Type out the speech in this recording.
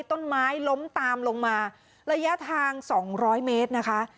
ต้นไม้ล้มตามลงมาระยะทาง๒๐๐เมตรนะคะ